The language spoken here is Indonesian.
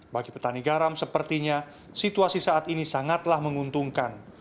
bagi petani garam sepertinya situasi saat ini sangatlah menguntungkan